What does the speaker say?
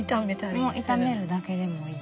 もう炒めるだけでもいい。